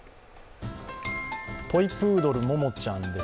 トイプードル、モモちゃんです。